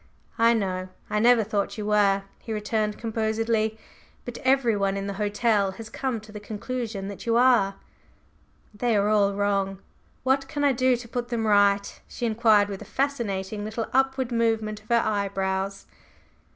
"I know. I never thought you were," he returned composedly; "but everyone in the hotel has come to the conclusion that you are!" "They are all wrong! What can I do to put them right?" she inquired with a fascinating little upward movement of her eyebrows.